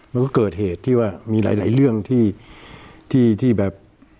มันก็เกิดเหตุที่ว่ามีหลายเรื่องที่แบบ